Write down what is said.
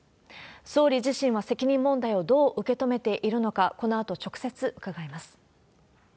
総理自身は責任問題をどう受け止めているのか、このあと直接伺います。